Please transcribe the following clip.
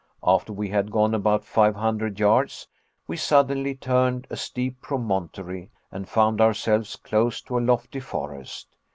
After we had gone about five hundred yards, we suddenly turned a steep promontory, and found ourselves close to a lofty forest!